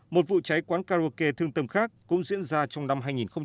một vụ cháy quán karaoke thương tâm khác cũng diễn ra trong năm hai nghìn một mươi bốn